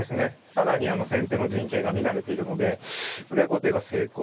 更に先手の陣形が乱れているのでこれは後手が成功。